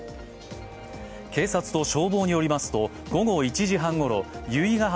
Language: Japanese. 警察と消防によりますと、午後１時半ごろ由比ガ浜